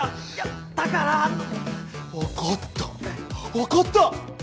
わかった！